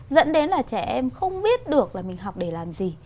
dẫn đến là trẻ em không biết được là mình học để làm gì